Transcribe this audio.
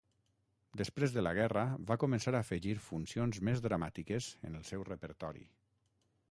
Després de la guerra, va començar a afegir funcions més dramàtiques en el seu repertori.